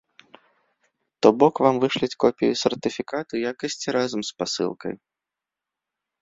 То бок вам вышлюць копію сертыфікату якасці разам з пасылкай.